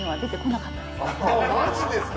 マジですか！